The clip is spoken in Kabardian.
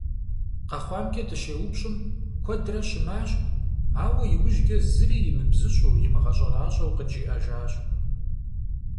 КъэхъуамкӀэ дыщеупщӀым, куэдрэ щымащ, ауэ иужькӀэ зыри имыбзыщӀу, имыгъэщӏэращӏэу къыджиӀэжащ.